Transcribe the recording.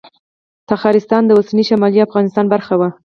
تخارستان د اوسني شمالي افغانستان برخه وه